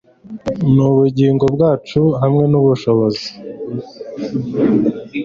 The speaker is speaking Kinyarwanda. n’ubugingo bwacu, hamwe n’ubushobozi